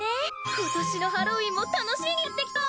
今年のハロウィンも楽しみになってきたぞ！